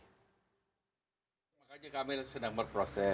pak aji kami sedang berproses